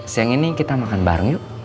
siang ini kita makan bareng yuk